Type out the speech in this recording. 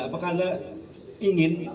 apakah anda ingin